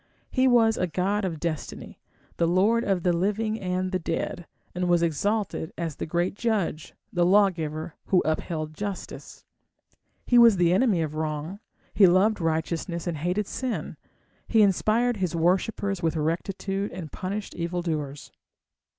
He was a god of Destiny, the lord of the living and the dead, and was exalted as the great Judge, the lawgiver, who upheld justice; he was the enemy of wrong, he loved righteousness and hated sin, he inspired his worshippers with rectitude and punished evildoers.